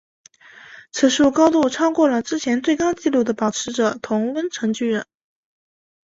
此树高度超过了之前最高纪录的保持者同温层巨人。